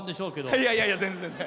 いやいや、全然、全然。